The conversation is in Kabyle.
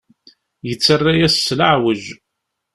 Yettarra-yas s leɛweǧ.